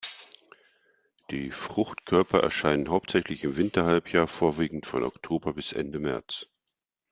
Die Fruchtkörper erscheinen hauptsächlich im Winterhalbjahr, vorwiegend von Oktober bis Ende März.